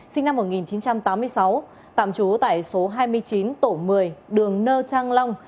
sinh năm một nghìn chín trăm tám mươi sáu tạm trú tại số hai mươi chín tổ một mươi đường nơ trang long